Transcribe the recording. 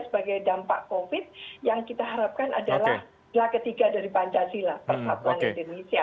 sebagai dampak covid yang kita harapkan adalah ketiga dari pancasila persatuan indonesia